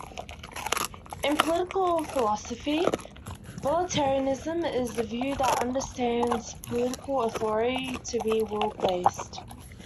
In political philosophy, voluntarism is the view that understands political authority to be will-based.